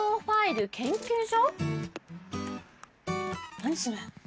何それ？